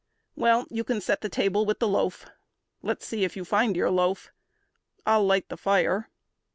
Well, you can set the table with the loaf. Let's see you find your loaf. I'll light the fire.